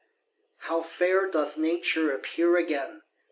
How fair doth Nature Appear again!